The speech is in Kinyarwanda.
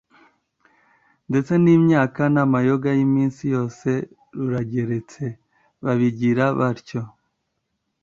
ndetse n’imyaka n’amayoga y’iminsi yose rugeretse! Babigira batyo